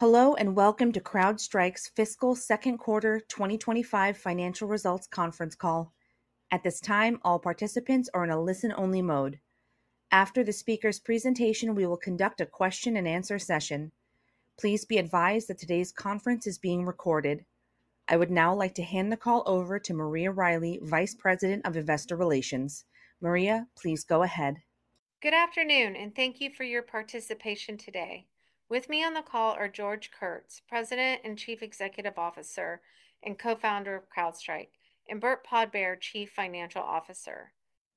Hello, and welcome to CrowdStrike's fiscal Q2 2025 financial results conference call. At this time, all participants are in a listen-only mode. After the speaker's presentation, we will conduct a question-and-answer session. Please be advised that today's conference is being recorded. I would now like to hand the call over to Maria Riley, Vice President of Investor Relations. Maria, please go ahead. Good afternoon, and thank you for your participation today. With me on the call are George Kurtz, President and Chief Executive Officer and Co-founder of CrowdStrike, and Burt Podbere, Chief Financial Officer.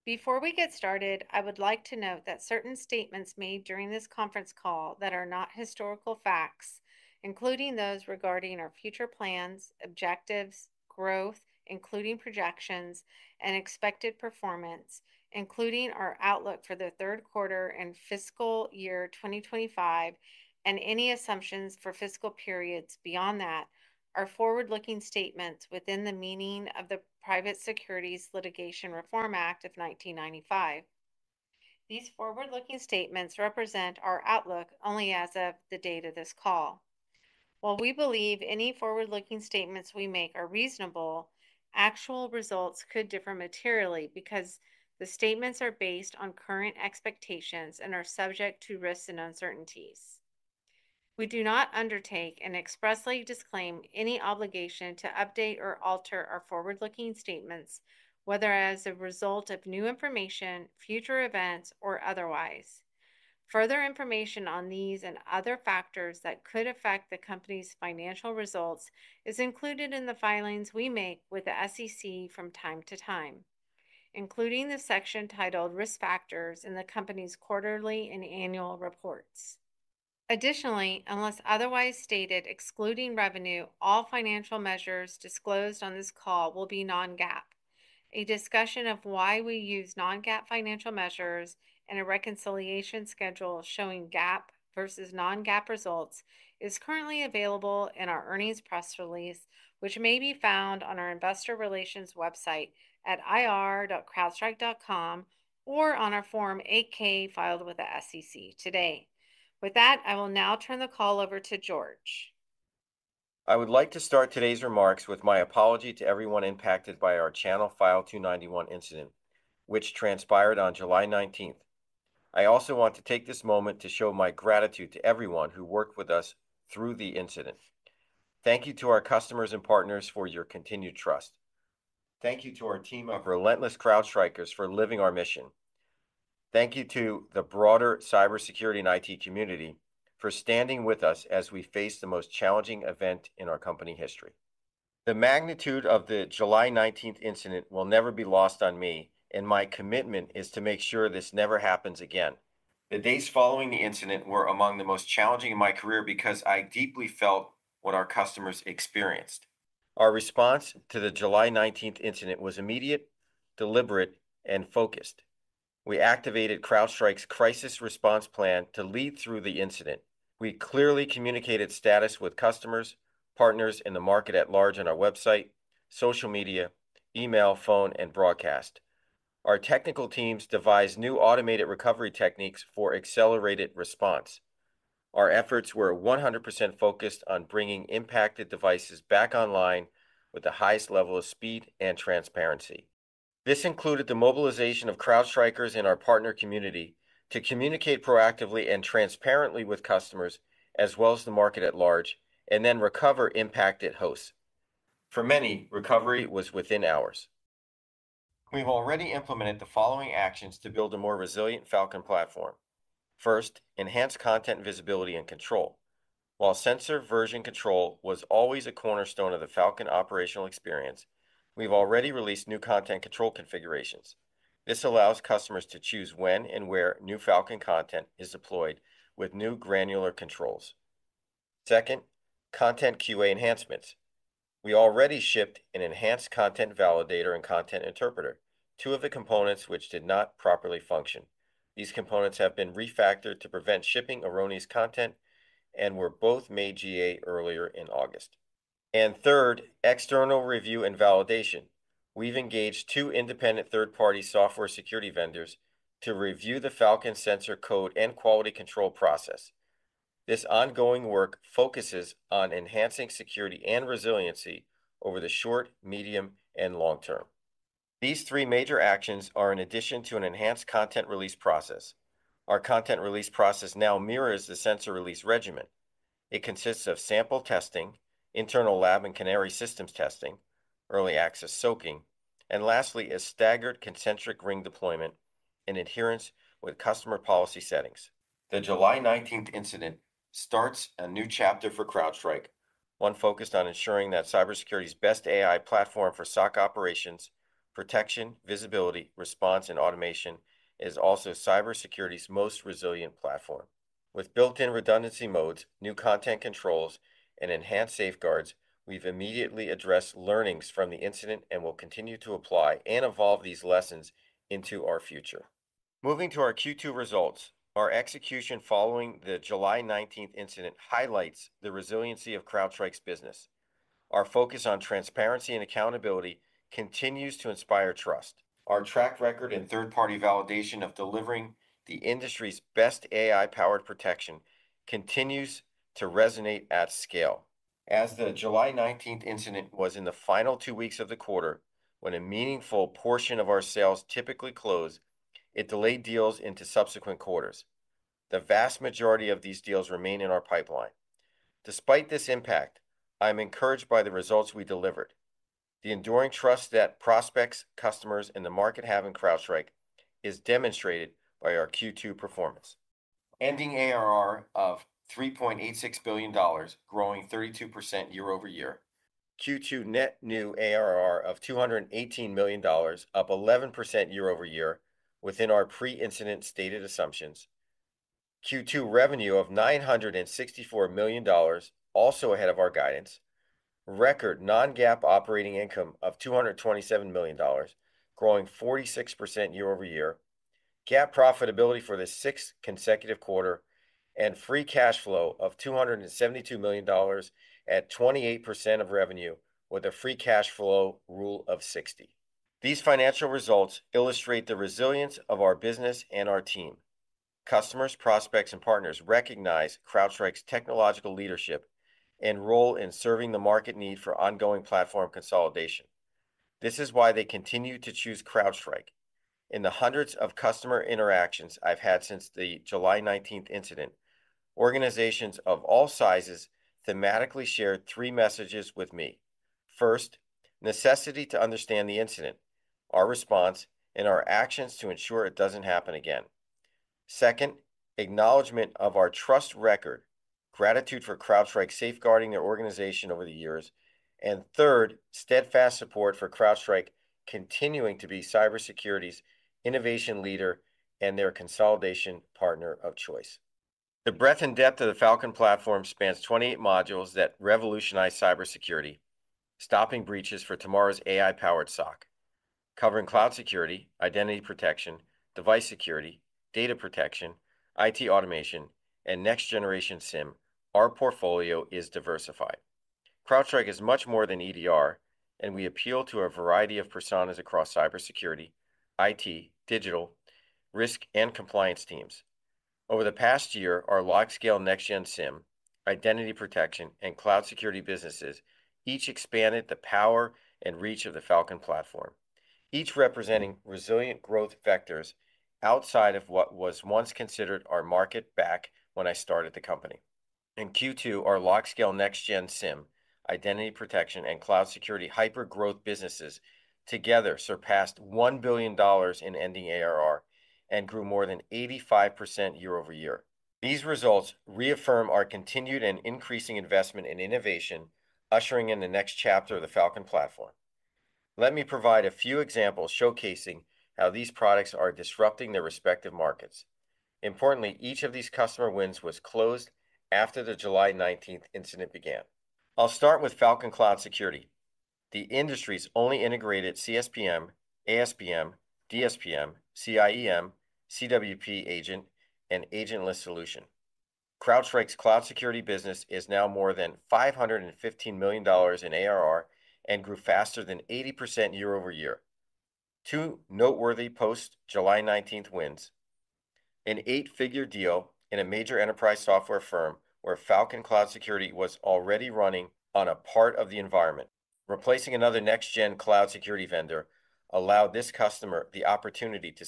Before we get started, I would like to note that certain statements made during this conference call that are not historical facts, including those regarding our future plans, objectives, growth, including projections and expected performance, including our outlook for the Q3 and fiscal year 2025, and any assumptions for fiscal periods beyond that, are forward-looking statements within the meaning of the Private Securities Litigation Reform Act of 1995. These forward-looking statements represent our outlook only as of the date of this call. While we believe any forward-looking statements we make are reasonable, actual results could differ materially because the statements are based on current expectations and are subject to risks and uncertainties. We do not undertake and expressly disclaim any obligation to update or alter our forward-looking statements, whether as a result of new information, future events, or otherwise. Further information on these and other factors that could affect the company's financial results is included in the filings we make with the SEC from time to time, including the section titled Risk Factors in the company's quarterly and annual reports. Additionally, unless otherwise stated, excluding revenue, all financial measures disclosed on this call will be non-GAAP. A discussion of why we use non-GAAP financial measures and a reconciliation schedule showing GAAP versus non-GAAP results is currently available in our earnings press release, which may be found on our investor relations website at ir.crowdstrike.com or on our Form 8-K filed with the SEC today. With that, I will now turn the call over to George. I would like to start today's remarks with my apology to everyone impacted by our Channel File 291 incident, which transpired on July nineteenth. I also want to take this moment to show my gratitude to everyone who worked with us through the incident. Thank you to our customers and partners for your continued trust. Thank you to our team of relentless CrowdStrikers for living our mission. Thank you to the broader cybersecurity and IT community for standing with us as we face the most challenging event in our company history. The magnitude of the July nineteenth incident will never be lost on me, and my commitment is to make sure this never happens again. The days following the incident were among the most challenging in my career because I deeply felt what our customers experienced. Our response to the July nineteenth incident was immediate, deliberate, and focused. We activated CrowdStrike's crisis response plan to lead through the incident. We clearly communicated status with customers, partners in the market at large on our website, social media, email, phone, and broadcast. Our technical teams devised new automated recovery techniques for accelerated response. Our efforts were 100% focused on bringing impacted devices back online with the highest level of speed and transparency. This included the mobilization of CrowdStrikers in our partner community to communicate proactively and transparently with customers, as well as the market at large, and then recover impacted hosts. For many, recovery was within hours. We've already implemented the following actions to build a more resilient Falcon platform. First, enhance content visibility and control. While sensor version control was always a cornerstone of the Falcon operational experience, we've already released new content control configurations. This allows customers to choose when and where new Falcon content is deployed with new granular controls. Second, content QA enhancements. We already shipped an enhanced content validator and content interpreter, two of the components which did not properly function. These components have been refactored to prevent shipping erroneous content and were both made GA earlier in August. And third, external review and validation. We've engaged two independent third-party software security vendors to review the Falcon sensor code and quality control process. This ongoing work focuses on enhancing security and resiliency over the short, medium, and long term. These three major actions are in addition to an enhanced content release process. Our content release process now mirrors the sensor release regimen. It consists of sample testing, internal lab and canary systems testing, early access soaking, and lastly, a staggered concentric ring deployment and adherence with customer policy settings. The July nineteenth incident starts a new chapter for CrowdStrike, one focused on ensuring that cybersecurity's best AI platform for SOC operations, protection, visibility, response, and automation is also cybersecurity's most resilient platform. With built-in redundancy modes, new content controls, and enhanced safeguards, we've immediately addressed learnings from the incident and will continue to apply and evolve these lessons into our future. Moving to our Q2 results, our execution following the July nineteenth incident highlights the resiliency of CrowdStrike's business. Our focus on transparency and accountability continues to inspire trust. Our track record and third-party validation of delivering the industry's best AI-powered protection continues to resonate at scale. As the July nineteenth incident was in the final two weeks of the quarter, when a meaningful portion of our sales typically close, it delayed deals into subsequent quarters. The vast majority of these deals remain in our pipeline. Despite this impact, I am encouraged by the results we delivered. The enduring trust that prospects, customers, and the market have in CrowdStrike is demonstrated by our Q2 performance. Ending ARR of $3.86 billion, growing 32% year over year, Q2 net new ARR of $218 million, up 11% year over year, within our pre-incident stated assumptions, Q2 revenue of $964 million, also ahead of our guidance, record non-GAAP operating income of $227 million, growing 46% year over year, GAAP profitability for the sixth consecutive quarter, and free cash flow of $272 million at 28% of revenue, with a free cash flow Rule of 60. These financial results illustrate the resilience of our business and our team. Customers, prospects, and partners recognize CrowdStrike's technological leadership and role in serving the market need for ongoing platform consolidation. This is why they continue to choose CrowdStrike. In the hundreds of customer interactions I've had since the July nineteenth incident, organizations of all sizes thematically shared three messages with me. First, necessity to understand the incident, our response, and our actions to ensure it doesn't happen again. Second, acknowledgment of our trust record, gratitude for CrowdStrike safeguarding their organization over the years, and third, steadfast support for CrowdStrike continuing to be cybersecurity's innovation leader and their consolidation partner of choice. The breadth and depth of the Falcon platform spans 28 modules that revolutionize cybersecurity, stopping breaches for tomorrow's AI-powered SOC. Covering cloud security, identity protection, device security, data protection, IT automation, and next-generation SIEM, our portfolio is diversified. CrowdStrike is much more than EDR, and we appeal to a variety of personas across cybersecurity, IT, digital, risk, and compliance teams. Over the past year, our LogScale Next-Gen SIEM, identity protection, and cloud security businesses each expanded the power and reach of the Falcon platform, each representing resilient growth vectors outside of what was once considered our market back when I started the company. In Q2, our LogScale Next-Gen SIEM, identity protection, and cloud security hyper growth businesses together surpassed $1 billion in ending ARR and grew more than 85% year over year. These results reaffirm our continued and increasing investment in innovation, ushering in the next chapter of the Falcon platform. Let me provide a few examples showcasing how these products are disrupting their respective markets. Importantly, each of these customer wins was closed after the July nineteenth incident began. I'll start with Falcon Cloud Security, the industry's only integrated CSPM, ASPM, DSPM, CIEM, CWP agent, and agentless solution. CrowdStrike's cloud security business is now more than $515 million in ARR and grew faster than 80% year over year. Two noteworthy post-July nineteenth wins: an eight-figure deal in a major enterprise software firm where Falcon Cloud Security was already running on a part of the environment, replacing another next-gen cloud security vendor, allowed this customer the opportunity to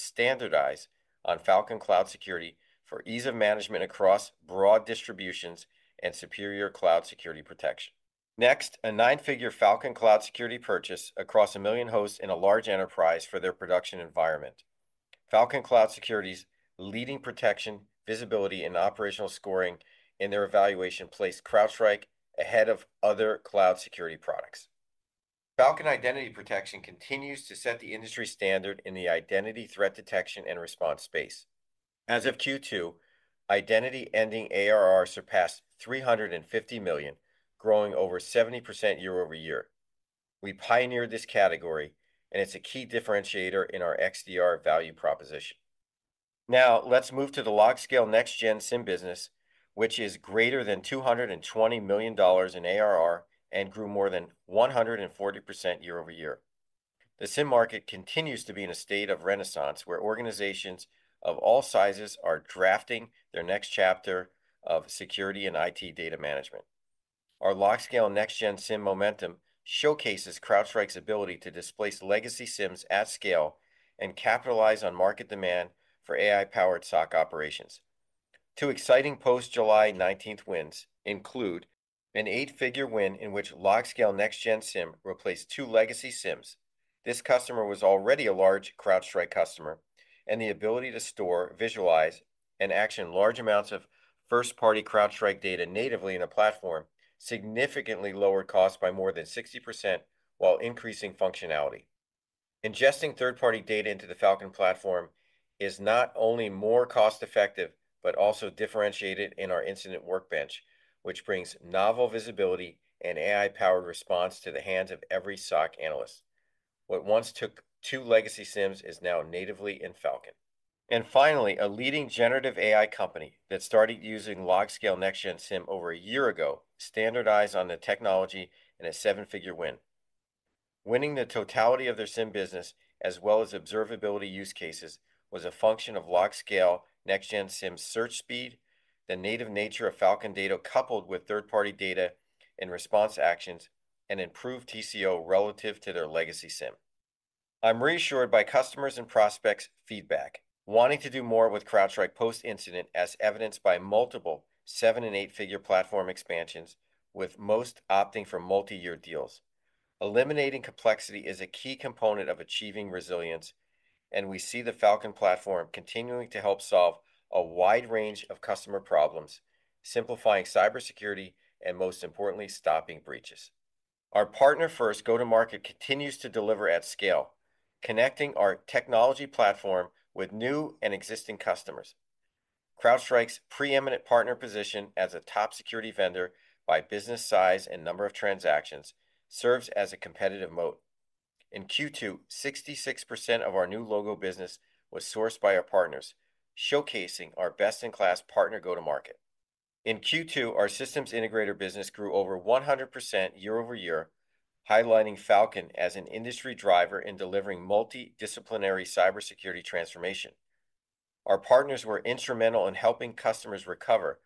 standardize on Falcon Cloud Security for ease of management across broad distributions and superior cloud security protection. Next, a nine-figure Falcon Cloud Security purchase across a million hosts in a large enterprise for their production environment. Falcon Cloud Security's leading protection, visibility, and operational scoring in their evaluation placed CrowdStrike ahead of other cloud security products. Falcon Identity Protection continues to set the industry standard in the identity threat detection and response space. As of Q2, identity ending ARR surpassed $350 million, growing over 70% year over year. We pioneered this category, and it's a key differentiator in our XDR value proposition. Now, let's move to the LogScale Next-Gen SIEM business, which is greater than $220 million in ARR and grew more than 140% year over year. The SIEM market continues to be in a state of renaissance, where organizations of all sizes are drafting their next chapter of security and IT data management. Our LogScale Next-Gen SIEM momentum showcases CrowdStrike's ability to displace legacy SIEMs at scale and capitalize on market demand for AI-powered SOC operations. Two exciting post-July nineteenth wins include an eight-figure win in which LogScale Next-Gen SIEM replaced two legacy SIEMs. This customer was already a large CrowdStrike customer, and the ability to store, visualize, and action large amounts of first-party CrowdStrike data natively in a platform significantly lowered costs by more than 60% while increasing functionality. Ingesting third-party data into the Falcon platform is not only more cost-effective, but also differentiated in our incident workbench, which brings novel visibility and AI-powered response to the hands of every SOC analyst. What once took two legacy SIEMs is now natively in Falcon. And finally, a leading generative AI company that started using LogScale Next-Gen SIEM over a year ago standardized on the technology in a seven-figure win. Winning the totality of their SIEM business, as well as observability use cases, was a function of LogScale Next-Gen SIEM's search speed, the native nature of Falcon data, coupled with third-party data and response actions, and improved TCO relative to their legacy SIEM. I'm reassured by customers' and prospects' feedback, wanting to do more with CrowdStrike post-incident, as evidenced by multiple seven- and eight-figure platform expansions, with most opting for multi-year deals. Eliminating complexity is a key component of achieving resilience, and we see the Falcon platform continuing to help solve a wide range of customer problems, simplifying cybersecurity, and most importantly, stopping breaches. Our partner-first go-to-market continues to deliver at scale, connecting our technology platform with new and existing customers. CrowdStrike's preeminent partner position as a top security vendor by business size and number of transactions serves as a competitive moat. In Q2, 66% of our new logo business was sourced by our partners, showcasing our best-in-class partner go-to-market. In Q2, our systems integrator business grew over 100% year over year, highlighting Falcon as an industry driver in delivering multidisciplinary cybersecurity transformation. Our partners were instrumental in helping customers recover,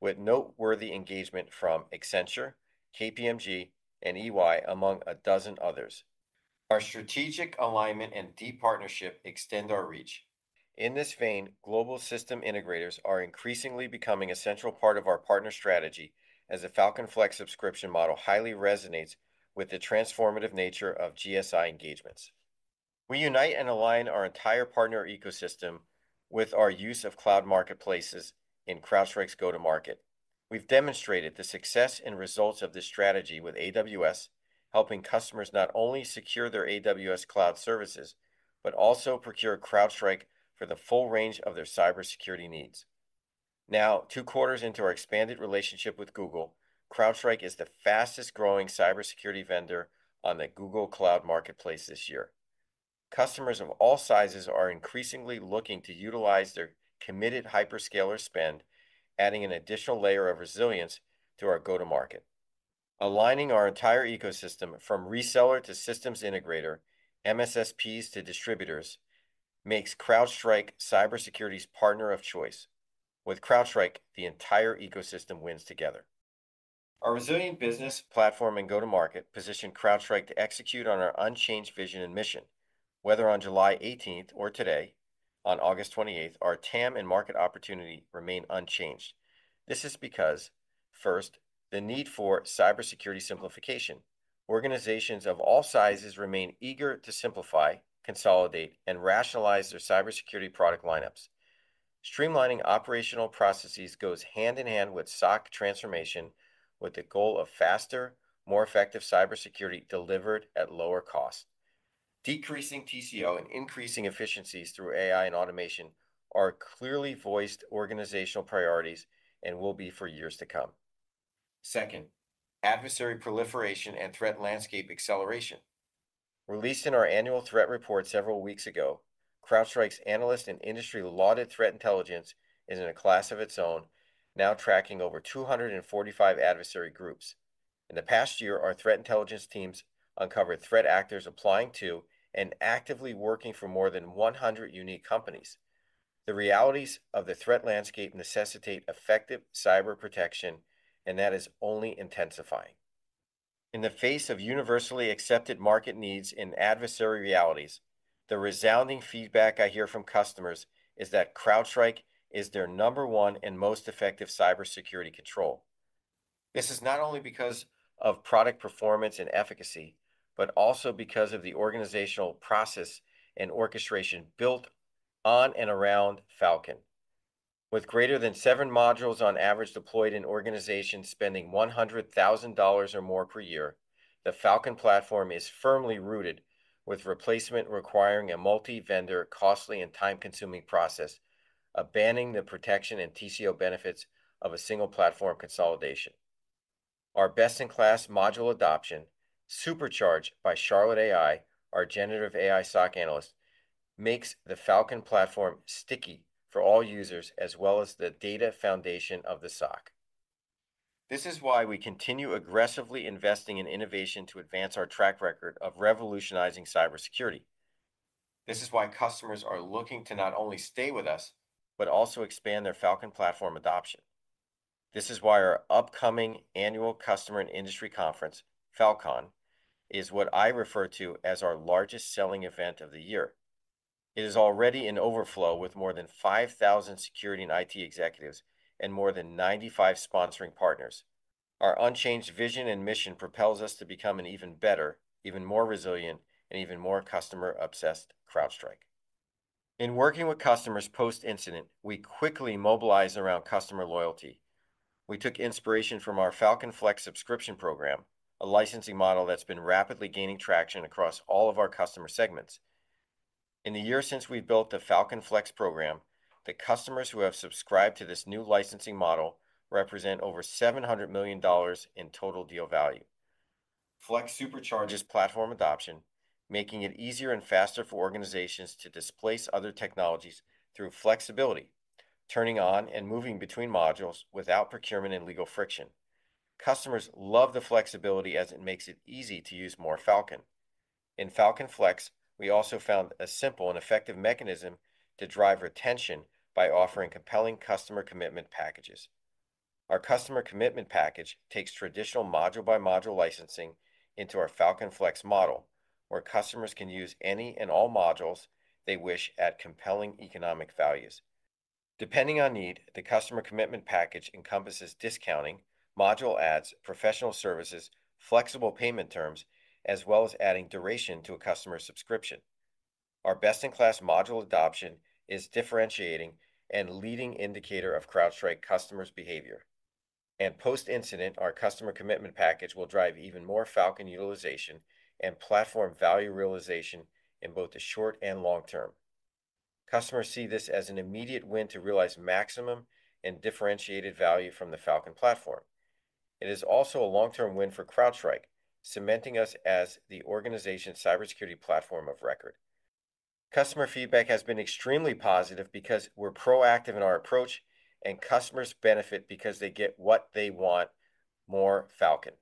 with noteworthy engagement from Accenture, KPMG, and EY, among a dozen others. Our strategic alignment and deep partnership extend our reach. In this vein, global system integrators are increasingly becoming a central part of our partner strategy, as the Falcon Flex subscription model highly resonates with the transformative nature of GSI engagements. We unite and align our entire partner ecosystem with our use of cloud marketplaces in CrowdStrike's go-to-market. We've demonstrated the success and results of this strategy with AWS, helping customers not only secure their AWS cloud services, but also procure CrowdStrike for the full range of their cybersecurity needs. Now, two quarters into our expanded relationship with Google, CrowdStrike is the fastest-growing cybersecurity vendor on the Google Cloud Marketplace this year. Customers of all sizes are increasingly looking to utilize their committed hyperscaler spend, adding an additional layer of resilience to our go-to-market. Aligning our entire ecosystem, from reseller to systems integrator, MSSPs to distributors, makes CrowdStrike cybersecurity's partner of choice. With CrowdStrike, the entire ecosystem wins together. Our resilient business, platform, and go-to-market position CrowdStrike to execute on our unchanged vision and mission. Whether on July eighteenth or today, on August twenty-eighth, our TAM and market opportunity remain unchanged. This is because, first, the need for cybersecurity simplification. Organizations of all sizes remain eager to simplify, consolidate, and rationalize their cybersecurity product lineups. Streamlining operational processes goes hand in hand with SOC transformation, with the goal of faster, more effective cybersecurity delivered at lower cost. Decreasing TCO and increasing efficiencies through AI and automation are clearly voiced organizational priorities and will be for years to come. Second, adversary proliferation and threat landscape acceleration. Released in our annual threat report several weeks ago, CrowdStrike's analyst and industry-lauded threat intelligence is in a class of its own, now tracking over 245 adversary groups. In the past year, our threat intelligence teams uncovered threat actors applying to and actively working for more than 100 unique companies. The realities of the threat landscape necessitate effective cyber protection, and that is only intensifying. In the face of universally accepted market needs and adversary realities, the resounding feedback I hear from customers is that CrowdStrike is their number one and most effective cybersecurity control. This is not only because of product performance and efficacy, but also because of the organizational process and orchestration built on and around Falcon. With greater than seven modules on average deployed in organizations spending $100,000 or more per year, the Falcon platform is firmly rooted, with replacement requiring a multi-vendor, costly, and time-consuming process, abandoning the protection and TCO benefits of a single platform consolidation. Our best-in-class module adoption, supercharged by Charlotte AI, our generative AI SOC analyst, makes the Falcon platform sticky for all users, as well as the data foundation of the SOC. This is why we continue aggressively investing in innovation to advance our track record of revolutionizing cybersecurity. This is why customers are looking to not only stay with us, but also expand their Falcon platform adoption. This is why our upcoming annual customer and industry conference, Falcon, is what I refer to as our largest selling event of the year. It is already in overflow, with more than 5,000 security and IT executives and more than 95 sponsoring partners. Our unchanged vision and mission propels us to become an even better, even more resilient, and even more customer-obsessed CrowdStrike. In working with customers post-incident, we quickly mobilized around customer loyalty. We took inspiration from our Falcon Flex subscription program, a licensing model that's been rapidly gaining traction across all of our customer segments. In the years since we've built the Falcon Flex program, the customers who have subscribed to this new licensing model represent over $700 million in total deal value. Flex supercharges platform adoption, making it easier and faster for organizations to displace other technologies through flexibility, turning on and moving between modules without procurement and legal friction. Customers love the flexibility as it makes it easy to use more Falcon. In Falcon Flex, we also found a simple and effective mechanism to drive retention by offering compelling customer commitment packages. Our customer commitment package takes traditional module-by-module licensing into our Falcon Flex model, where customers can use any and all modules they wish at compelling economic values. Depending on need, the customer commitment package encompasses discounting, module adds, professional services, flexible payment terms, as well as adding duration to a customer's subscription. Our best-in-class module adoption is differentiating and leading indicator of CrowdStrike customers' behavior, and post-incident, our customer commitment package will drive even more Falcon utilization and platform value realization in both the short and long term. Customers see this as an immediate win to realize maximum and differentiated value from the Falcon platform. It is also a long-term win for CrowdStrike, cementing us as the organization's cybersecurity platform of record. Customer feedback has been extremely positive because we're proactive in our approach, and customers benefit because they get what they want, more Falcon.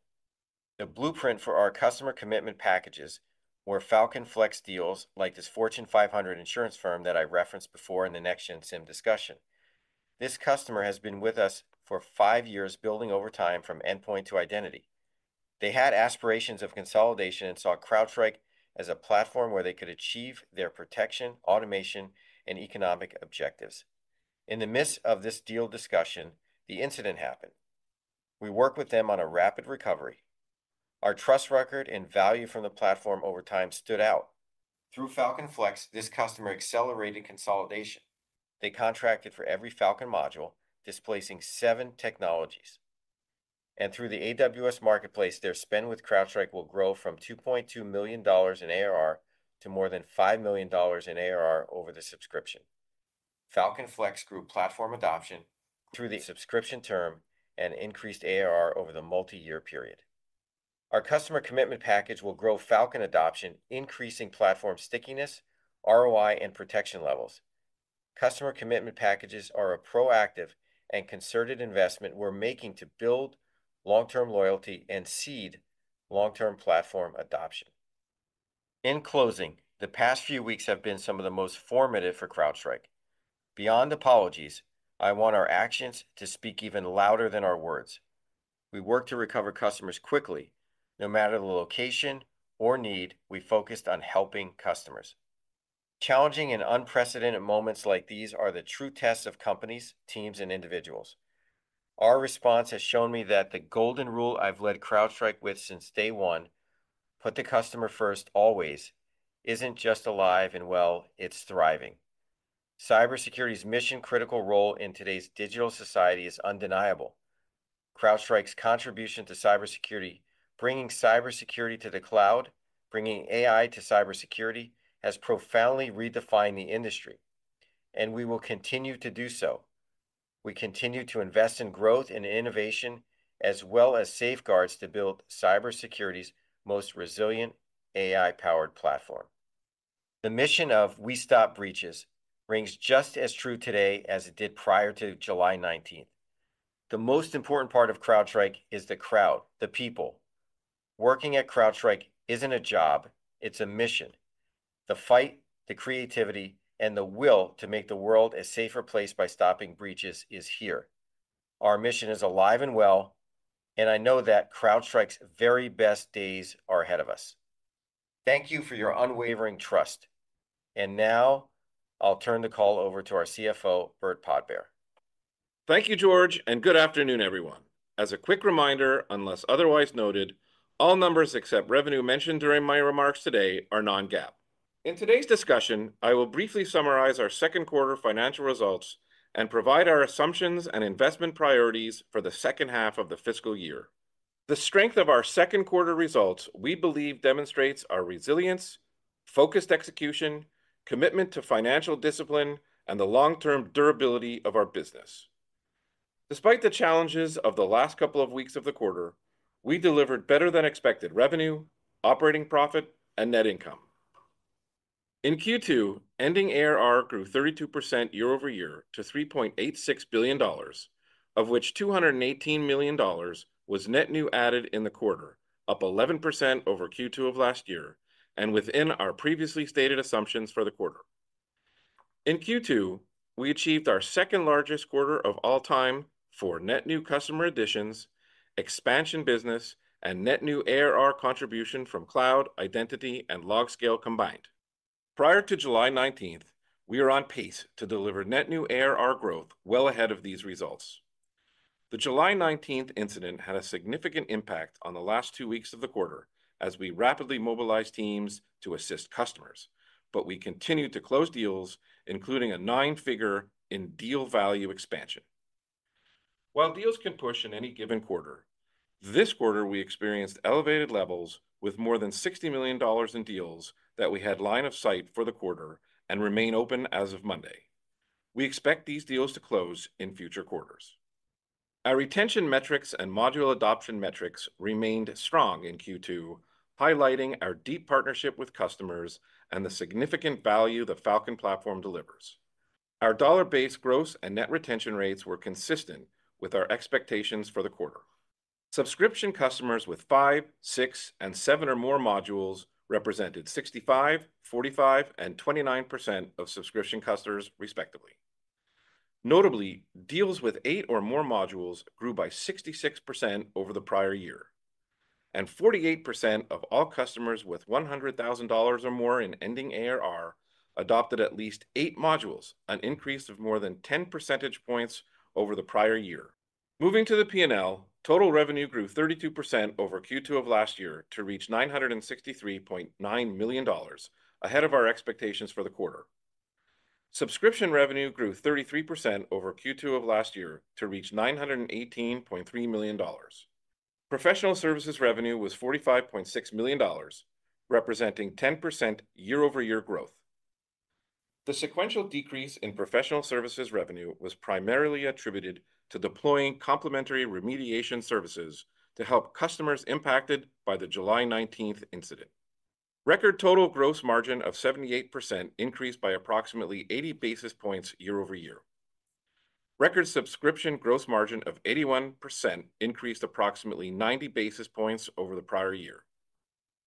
The blueprint for our customer commitment packages were Falcon Flex deals like this Fortune 500 insurance firm that I referenced before in the Next-Gen SIEM discussion. This customer has been with us for five years, building over time from endpoint to identity. They had aspirations of consolidation and saw CrowdStrike as a platform where they could achieve their protection, automation, and economic objectives. In the midst of this deal discussion, the incident happened. We worked with them on a rapid recovery. Our trust record and value from the platform over time stood out. Through Falcon Flex, this customer accelerated consolidation. They contracted for every Falcon module, displacing seven technologies, and through the AWS Marketplace, their spend with CrowdStrike will grow from $2.2 million in ARR to more than $5 million in ARR over the subscription. Falcon Flex grew platform adoption through the subscription term and increased ARR over the multi-year period. Our customer commitment package will grow Falcon adoption, increasing platform stickiness, ROI, and protection levels. Customer commitment packages are a proactive and concerted investment we're making to build long-term loyalty and seed long-term platform adoption. In closing, the past few weeks have been some of the most formative for CrowdStrike. Beyond apologies, I want our actions to speak even louder than our words. We work to recover customers quickly. No matter the location or need, we focused on helping customers. Challenging and unprecedented moments like these are the true tests of companies, teams, and individuals. Our response has shown me that the golden rule I've led CrowdStrike with since day one, put the customer first always, isn't just alive and well, it's thriving. Cybersecurity's mission-critical role in today's digital society is undeniable. CrowdStrike's contribution to cybersecurity, bringing cybersecurity to the cloud, bringing AI to cybersecurity, has profoundly redefined the industry, and we will continue to do so. We continue to invest in growth and innovation, as well as safeguards to build cybersecurity's most resilient AI-powered platform. The mission of We Stop Breaches rings just as true today as it did prior to July nineteenth. The most important part of CrowdStrike is the crowd, the people. Working at CrowdStrike isn't a job, it's a mission. The fight, the creativity, and the will to make the world a safer place by stopping breaches is here. Our mission is alive and well, and I know that CrowdStrike's very best days are ahead of us. Thank you for your unwavering trust. And now, I'll turn the call over to our CFO, Burt Podbere. Thank you, George, and good afternoon, everyone. As a quick reminder, unless otherwise noted, all numbers except revenue mentioned during my remarks today are non-GAAP. In today's discussion, I will briefly summarize our Q2 financial results and provide our assumptions and investment priorities for the H2 of the fiscal year. The strength of our Q2 results, we believe, demonstrates our resilience, focused execution, commitment to financial discipline, and the long-term durability of our business. Despite the challenges of the last couple of weeks of the quarter, we delivered better-than-expected revenue, operating profit, and net income. In Q2, ending ARR grew 32% year over year to $3.86 billion, of which $218 million was net new added in the quarter, up 11% over Q2 of last year, and within our previously stated assumptions for the quarter. In Q2, we achieved our second-largest quarter of all time for net new customer additions, expansion business, and net new ARR contribution from cloud, identity, and LogScale combined. Prior to July nineteenth, we are on pace to deliver net new ARR growth well ahead of these results. The July nineteenth incident had a significant impact on the last two weeks of the quarter as we rapidly mobilized teams to assist customers, but we continued to close deals, including a nine-figure deal value expansion. While deals can push in any given quarter, this quarter, we experienced elevated levels with more than $60 million in deals that we had line of sight for the quarter and remain open as of Monday. We expect these deals to close in future quarters. Our retention metrics and module adoption metrics remained strong in Q2, highlighting our deep partnership with customers and the significant value the Falcon Platform delivers. Our dollar-based gross and net retention rates were consistent with our expectations for the quarter. Subscription customers with 5, 6, and 7 or more modules represented 65%, 45%, and 29% of subscription customers, respectively. Notably, deals with 8 or more modules grew by 66% over the prior year, and 48% of all customers with $100,000 or more in ending ARR adopted at least 8 modules, an increase of more than 10 percentage points over the prior year. Moving to the P&L, total revenue grew 32% over Q2 of last year to reach $963.9 million, ahead of our expectations for the quarter. Subscription revenue grew 33% over Q2 of last year to reach $918.3 million. Professional services revenue was $45.6 million, representing 10% year-over-year growth. The sequential decrease in professional services revenue was primarily attributed to deploying complementary remediation services to help customers impacted by the July nineteenth incident. Record total gross margin of 78% increased by approximately 80 basis points year over year. Record subscription gross margin of 81% increased approximately 90 basis points over the prior year.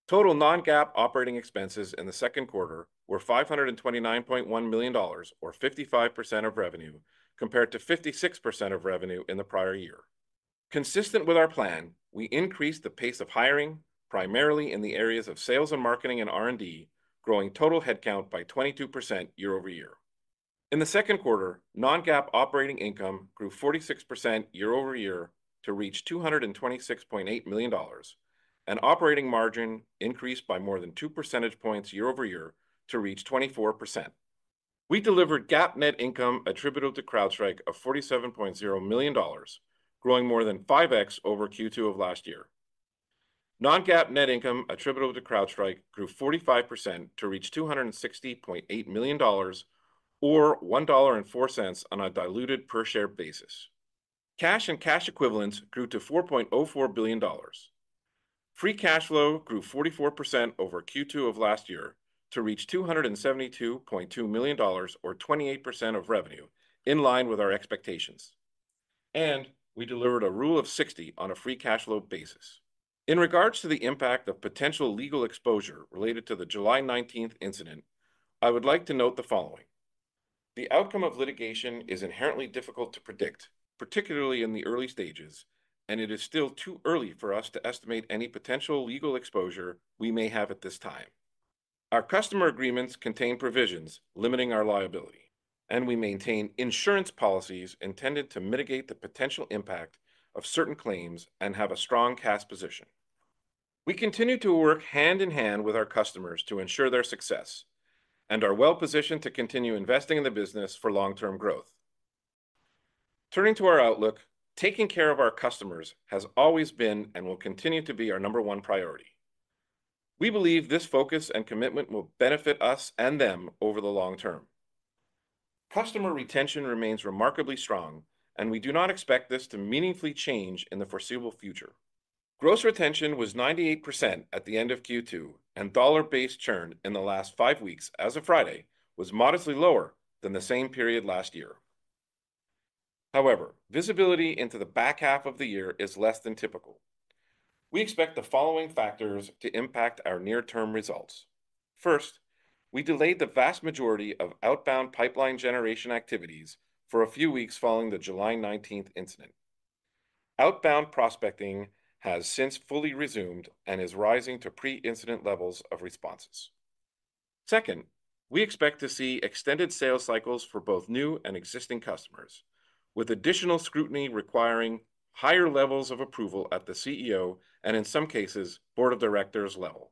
Total non-GAAP operating expenses in the Q2 were $529.1 million, or 55% of revenue, compared to 56% of revenue in the prior year. Consistent with our plan, we increased the pace of hiring, primarily in the areas of sales and marketing and R&D, growing total headcount by 22% year over year. In the Q2, Non-GAAP operating income grew 46% year over year to reach $226.8 million, and operating margin increased by more than 2 percentage points year over year to reach 24%. We delivered GAAP net income attributable to CrowdStrike of $47.0 million, growing more than 5x over Q2 of last year. Non-GAAP net income attributable to CrowdStrike grew 45% to reach $260.8 million, or $1.04 on a diluted per-share basis. Cash and cash equivalents grew to $4.04 billion. Free cash flow grew 44% over Q2 of last year to reach $272.2 million or 28% of revenue, in line with our expectations, and we delivered a Rule of 60 on a free cash flow basis. In regards to the impact of potential legal exposure related to the July 19 incident, I would like to note the following: The outcome of litigation is inherently difficult to predict, particularly in the early stages, and it is still too early for us to estimate any potential legal exposure we may have at this time. Our customer agreements contain provisions limiting our liability, and we maintain insurance policies intended to mitigate the potential impact of certain claims and have a strong cash position. We continue to work hand in hand with our customers to ensure their success and are well-positioned to continue investing in the business for long-term growth. Turning to our outlook, taking care of our customers has always been and will continue to be our number one priority. We believe this focus and commitment will benefit us and them over the long term. Customer retention remains remarkably strong, and we do not expect this to meaningfully change in the foreseeable future. Gross retention was 98% at the end of Q2, and dollar-based churn in the last five weeks as of Friday, was modestly lower than the same period last year. However, visibility into the back half of the year is less than typical. We expect the following factors to impact our near-term results. First, we delayed the vast majority of outbound pipeline generation activities for a few weeks following the July nineteenth incident. Outbound prospecting has since fully resumed and is rising to pre-incident levels of responses. Second, we expect to see extended sales cycles for both new and existing customers, with additional scrutiny requiring higher levels of approval at the CEO and, in some cases, board of directors level.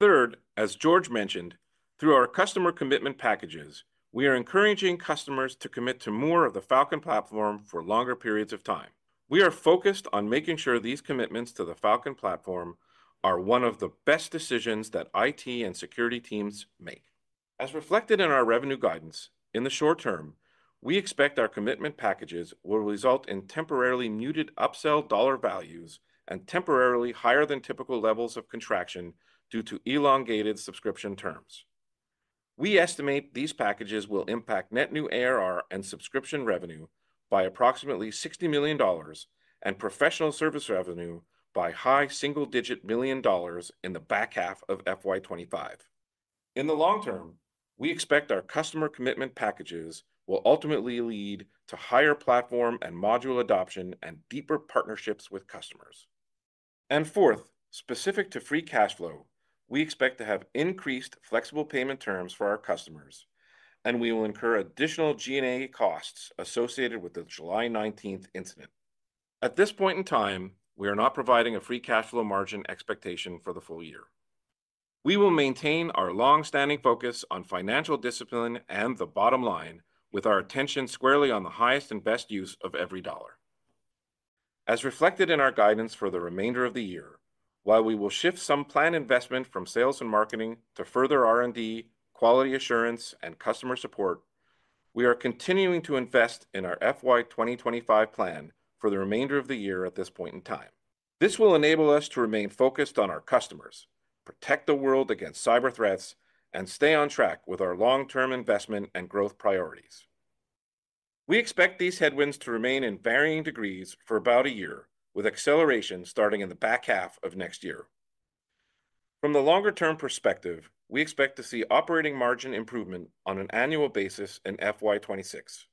Third, as George mentioned, through our customer commitment packages, we are encouraging customers to commit to more of the Falcon Platform for longer periods of time. We are focused on making sure these commitments to the Falcon Platform are one of the best decisions that IT and security teams make. As reflected in our revenue guidance, in the short term, we expect our commitment packages will result in temporarily muted upsell dollar values and temporarily higher than typical levels of contraction due to elongated subscription terms. We estimate these packages will impact net new ARR and subscription revenue by approximately $60 million and professional service revenue by high single-digit million dollars in the back half of FY 2025. In the long term, we expect our customer commitment packages will ultimately lead to higher platform and module adoption and deeper partnerships with customers. And fourth, specific to free cash flow, we expect to have increased flexible payment terms for our customers, and we will incur additional G&A costs associated with the July nineteenth incident. At this point in time, we are not providing a free cash flow margin expectation for the full year. We will maintain our long-standing focus on financial discipline and the bottom line, with our attention squarely on the highest and best use of every dollar. As reflected in our guidance for the remainder of the year, while we will shift some planned investment from sales and marketing to further R&D, quality assurance, and customer support, we are continuing to invest in our FY 2025 plan for the remainder of the year at this point in time. This will enable us to remain focused on our customers, protect the world against cyber threats, and stay on track with our long-term investment and growth priorities. We expect these headwinds to remain in varying degrees for about a year, with acceleration starting in the back half of next year. From the longer-term perspective, we expect to see operating margin improvement on an annual basis in FY 2026.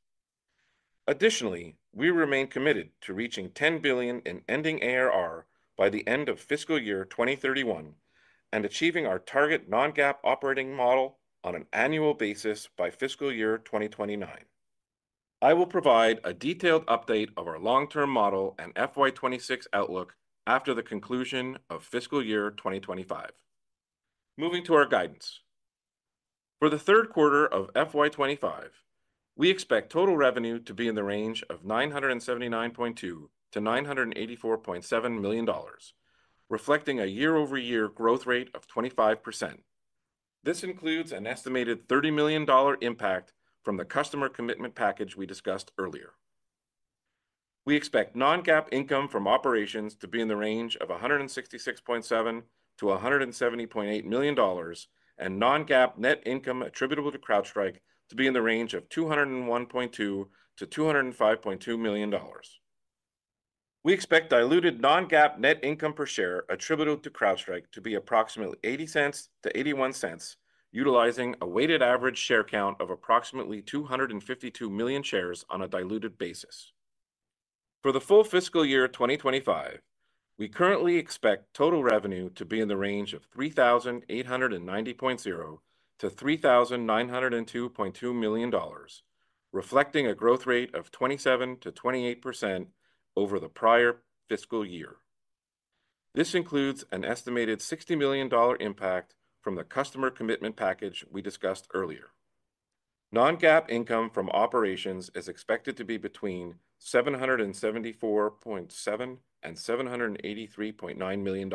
Additionally, we remain committed to reaching 10 billion in ending ARR by the end of fiscal year 2031, and achieving our target non-GAAP operating model on an annual basis by fiscal year 2029. I will provide a detailed update of our long-term model and FY 2026 outlook after the conclusion of fiscal year 2025. Moving to our guidance. For the Q3 of FY 2025, we expect total revenue to be in the range of $979.2 million-$984.7 million, reflecting a year-over-year growth rate of 25%. This includes an estimated $30 million impact from the customer commitment package we discussed earlier. We expect non-GAAP income from operations to be in the range of $166.7 million-$170.8 million, and non-GAAP net income attributable to CrowdStrike to be in the range of $201.2 million-$205.2 million. We expect diluted non-GAAP net income per share attributable to CrowdStrike to be approximately $0.80-$0.81, utilizing a weighted average share count of approximately 252 million shares on a diluted basis. For the full fiscal year 2025, we currently expect total revenue to be in the range of $3,890.0 million-$3,902.2 million, reflecting a growth rate of 27%-28% over the prior fiscal year. This includes an estimated $60 million impact from the customer commitment package we discussed earlier. Non-GAAP income from operations is expected to be between $774.7-$783.9 million.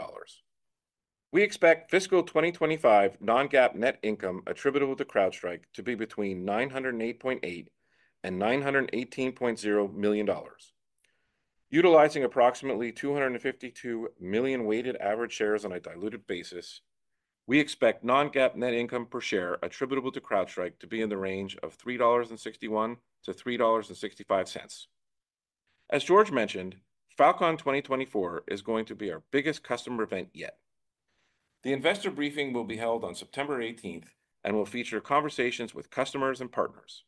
We expect fiscal 2025 non-GAAP net income attributable to CrowdStrike to be between $908.8-$918.0 million. Utilizing approximately 252 million weighted average shares on a diluted basis, we expect non-GAAP net income per share attributable to CrowdStrike to be in the range of $3.61-$3.65. As George mentioned, Falcon 2024 is going to be our biggest customer event yet. The investor briefing will be held on September eighteenth and will feature conversations with customers and partners.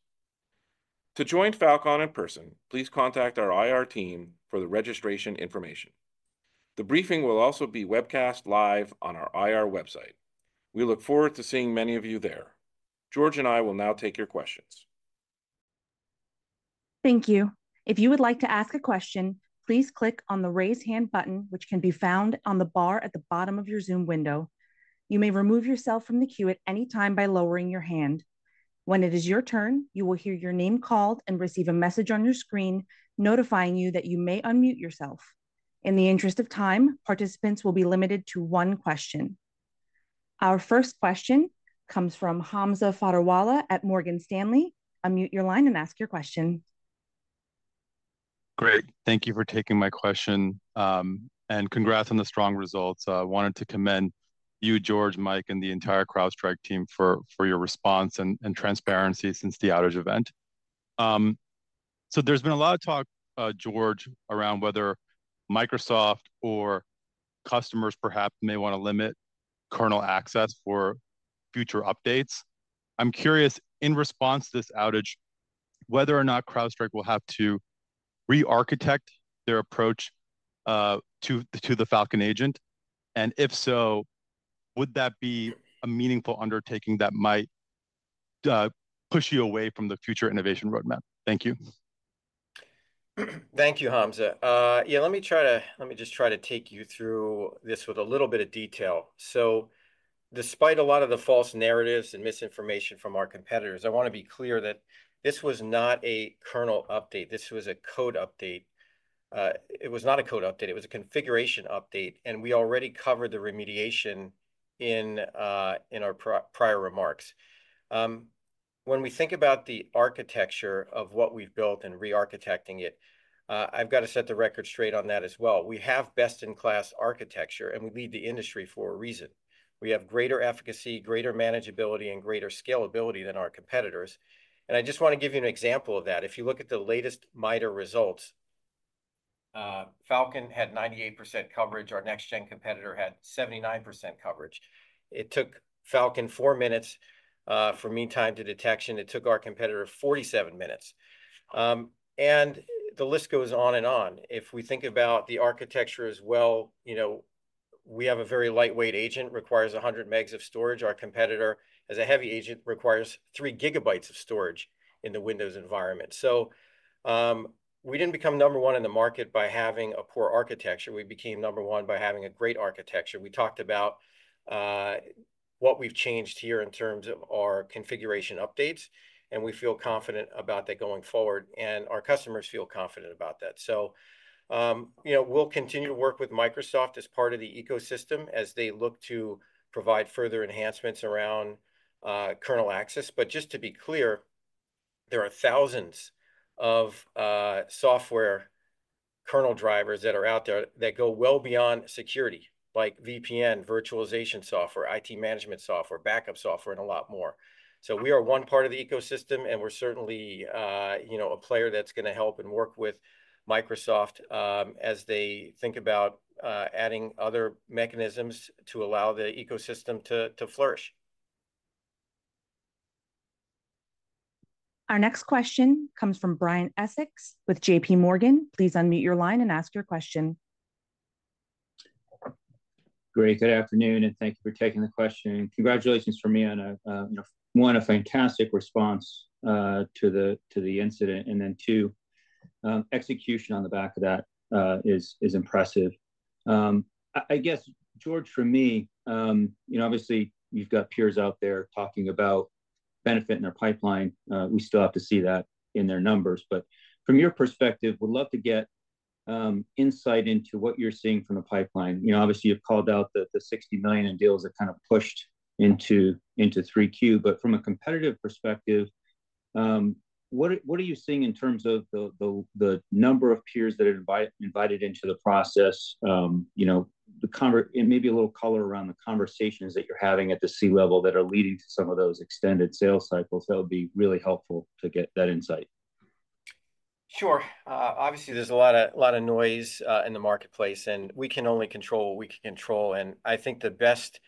To join Falcon in person, please contact our IR team for the registration information. The briefing will also be webcast live on our IR website. We look forward to seeing many of you there. George and I will now take your questions. Thank you. If you would like to ask a question, please click on the Raise Hand button, which can be found on the bar at the bottom of your Zoom window. You may remove yourself from the queue at any time by lowering your hand. When it is your turn, you will hear your name called and receive a message on your screen notifying you that you may unmute yourself. In the interest of time, participants will be limited to one question. Our first question comes from Hamza Fodderwala at Morgan Stanley. Unmute your line and ask your question. Great. Thank you for taking my question, and congrats on the strong results. I wanted to commend you, George, Mike, and the entire CrowdStrike team for your response and transparency since the outage event. So there's been a lot of talk, George, around whether Microsoft or customers perhaps may want to limit kernel access for future updates. I'm curious, in response to this outage, whether or not CrowdStrike will have to rearchitect their approach to the Falcon agent, and if so, would that be a meaningful undertaking that might push you away from the future innovation roadmap? Thank you. Thank you, Hamza. Yeah, let me just try to take you through this with a little bit of detail. So despite a lot of the false narratives and misinformation from our competitors, I wanna be clear that this was not a kernel update. This was a code update. It was not a code update, it was a configuration update, and we already covered the remediation in our prior remarks. When we think about the architecture of what we've built and rearchitecting it, I've got to set the record straight on that as well. We have best-in-class architecture, and we lead the industry for a reason. We have greater efficacy, greater manageability, and greater scalability than our competitors, and I just want to give you an example of that. If you look at the latest MITRE results, Falcon had 98% coverage, our next gen competitor had 79% coverage. It took Falcon four minutes from mean time to detection. It took our competitor forty-seven minutes. And the list goes on and on. If we think about the architecture as well, you know, we have a very lightweight agent, requires 100 megs of storage. Our competitor, as a heavy agent, requires 3 gigabytes of storage in the Windows environment. So, we didn't become number one in the market by having a poor architecture. We became number one by having a great architecture. We talked about what we've changed here in terms of our configuration updates, and we feel confident about that going forward, and our customers feel confident about that. So, you know, we'll continue to work with Microsoft as part of the ecosystem as they look to provide further enhancements around kernel access. But just to be clear, there are thousands of software kernel drivers that are out there that go well beyond security, like VPN, virtualization software, IT management software, backup software, and a lot more. So we are one part of the ecosystem, and we're certainly you know, a player that's gonna help and work with Microsoft as they think about adding other mechanisms to allow the ecosystem to flourish. Our next question comes from Brian Essex with JP Morgan. Please unmute your line and ask your question. Great. Good afternoon, and thank you for taking the question. Congratulations from me on a, you know, one, a fantastic response to the incident, and then two, execution on the back of that is impressive. I guess, George, for me, you know, obviously you've got peers out there talking about benefit in their pipeline. We still have to see that in their numbers, but from your perspective, would love to get insight into what you're seeing from the pipeline. You know, obviously, you've called out the $60 million in deals that kind of pushed into 3Q. But from a competitive perspective, what are you seeing in terms of the number of peers that are invited into the process? You know, and maybe a little color around the conversations that you're having at the C-level that are leading to some of those extended sales cycles. That would be really helpful to get that insight. Sure. Obviously, there's a lot of noise in the marketplace, and we can only control what we can control, and I think the best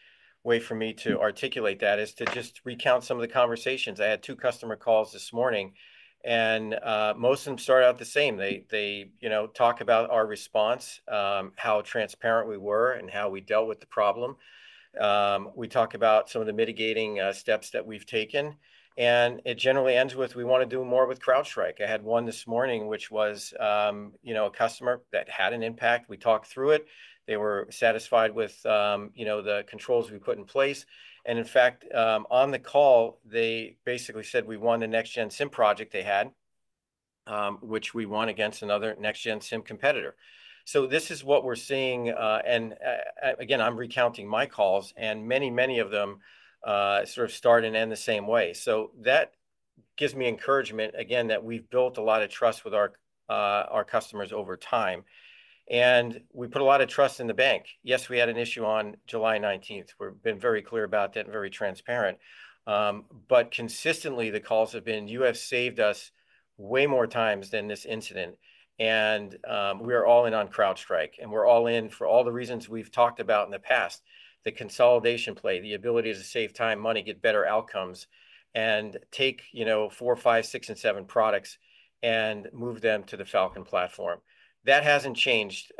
way for me to articulate that is to just recount some of the conversations. I had two customer calls this morning, and most of them start out the same. They, you know, talk about our response, how transparent we were, and how we dealt with the problem. We talk about some of the mitigating steps that we've taken, and it generally ends with, "We wanna do more with CrowdStrike." I had one this morning, which was, you know, a customer that had an impact. We talked through it. They were satisfied with, you know, the controls we put in place, and in fact, on the call, they basically said we won the next-gen SIEM project they had, which we won against another next-gen SIEM competitor. So this is what we're seeing, and, again, I'm recounting my calls, and many, many of them, sort of start and end the same way. So that gives me encouragement again, that we've built a lot of trust with our customers over time, and we put a lot of trust in the bank. Yes, we had an issue on July nineteenth. We've been very clear about that and very transparent. But consistently, the calls have been: "You have saved us way more times than this incident, and, we are all in on CrowdStrike, and we're all in for all the reasons we've talked about in the past." The consolidation play, the ability to save time, money, get better outcomes, and take, you know, four, five, six, and seven products and move them to the Falcon platform. That hasn't changed,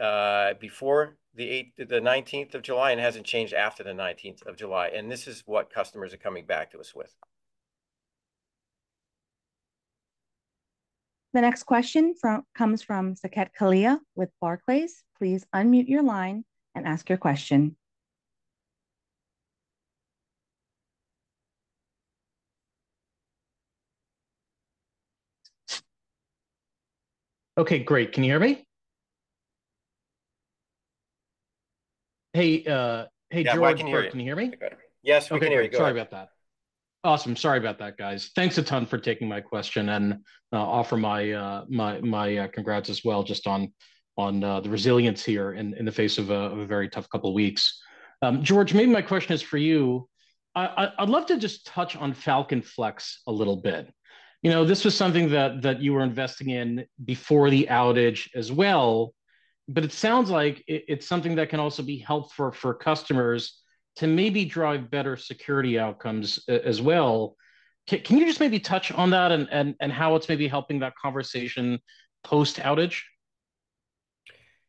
before the nineteenth of July, and hasn't changed after the nineteenth of July, and this is what customers are coming back to us with. The next question comes from Saket Kalia with Barclays. Please unmute your line and ask your question. Okay, great. Can you hear me? Hey, hey, George, can you hear me? Yes, we can hear you. Go ahead. Okay. Sorry about that. Awesome. Sorry about that, guys. Thanks a ton for taking my question, and offer my congrats as well just on the resilience here in the face of a very tough couple weeks. George, maybe my question is for you. I'd love to just touch on Falcon Flex a little bit. You know, this was something that you were investing in before the outage as well, but it sounds like it's something that can also be helpful for customers to maybe drive better security outcomes as well. Can you just maybe touch on that, and how it's maybe helping that conversation post-outage?